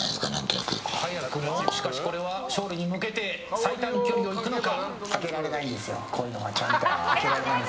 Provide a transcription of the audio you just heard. しかしこれは勝利に向けて最短距離を行くのか。